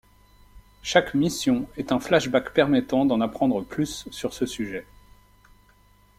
Chaque mission est un flashback permettant d'en apprendre plus sur ce sujet.